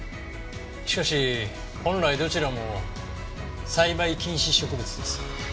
しかし本来どちらも栽培禁止植物です。